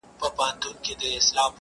چي یوه ژبه لري هغه په دار دی-